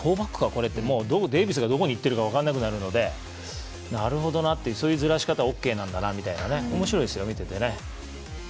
これってデイビスがどこ行ってるか分からなくなってくるのでなるほどなって、そういうずらし方、オーケーなんだとおもしろいですよ、見ててね。